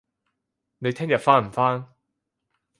你聽日返唔返